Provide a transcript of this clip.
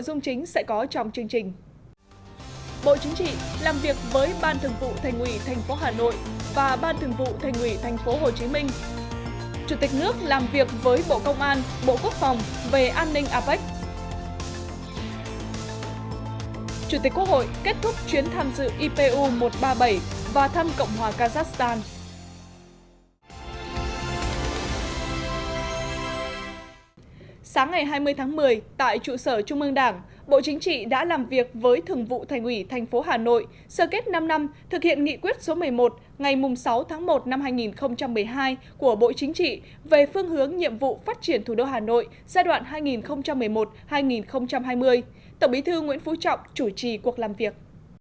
bộ chính trị đã làm việc với thường vụ thành ủy thành phố hà nội sở kết năm năm thực hiện nghị quyết số một mươi một ngày sáu tháng một năm hai nghìn một mươi hai của bộ chính trị về phương hướng nhiệm vụ phát triển thủ đô hà nội giai đoạn hai nghìn một mươi một hai nghìn hai mươi tổng bí thư nguyễn phú trọng chủ trì cuộc làm việc